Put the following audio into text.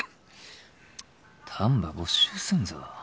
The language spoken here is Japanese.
丹波没収すんぞ。